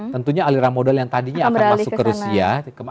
tentunya aliran modal yang tadinya akan masuk ke rusia